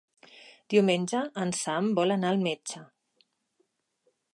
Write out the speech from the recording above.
Diumenge en Sam vol anar al metge.